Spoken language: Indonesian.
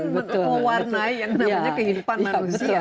ini mewarnai yang namanya kehidupan manusia